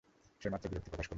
সে মাত্র বিরক্তি প্রকাশ করলো?